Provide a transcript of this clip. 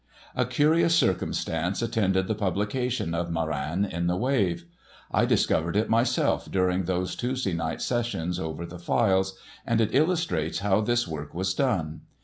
A curious circumstance attended the publication of "Moran" in the Wave. I discovered it myself during those Tuesday night sessions over the files; and it illustrates how this work was done.